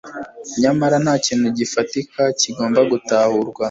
Nyamara nta kintu gifatika kigomba gutahurwa